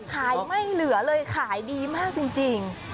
ไม่เหลือเลยขายดีมากจริง